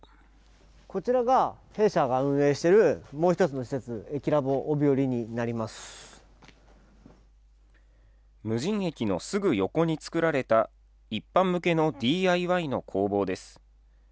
こちらが、弊社が運営しているもう一つの施設、無人駅のすぐ横に作られた、一般向けのＤＩＹの工房です。